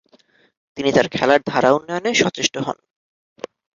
তিনি তার খেলার ধারা উন্নয়নে সচেষ্ট হন।